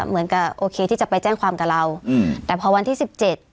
เหมือนกับโอเคที่จะไปแจ้งความกับเราอืมแต่พอวันที่สิบเจ็ด